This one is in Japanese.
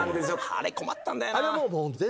あれ困ったんだよな。